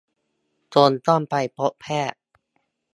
จนต้องไปพบแพทย์